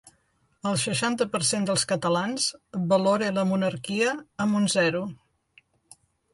El seixanta per cent dels catalans valora la monarquia amb un zero.